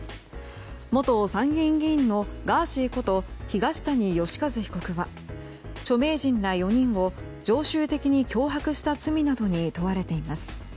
元参議院議員のガーシーこと東谷義和被告は著名人ら４人を常習的に脅迫した罪などに問われています。